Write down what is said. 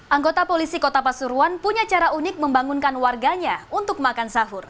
anggota polisi kota pasuruan punya cara unik membangunkan warganya untuk makan sahur